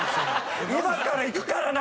今から行くからな！